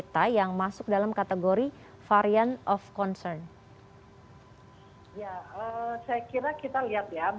saya mau mulai dari delta